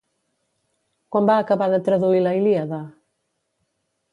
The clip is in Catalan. Quan va acabar de traduir la Ilíada?